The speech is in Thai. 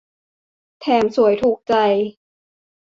แถมสวยถูกใจ